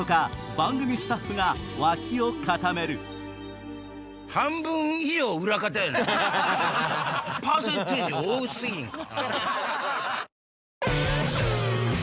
番組スタッフが脇を固めるパーセンテージ多過ぎひんか？